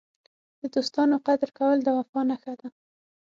د دوستانو قدر کول د وفا نښه ده.